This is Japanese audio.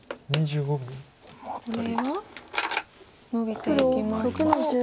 これはノビていきますと。